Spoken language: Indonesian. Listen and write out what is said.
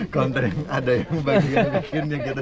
konten ada yang membagikan bikinnya gitu kan